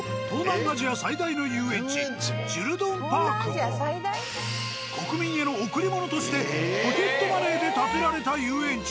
こちらの国民への贈り物としてポケットマネーで建てられた遊園地。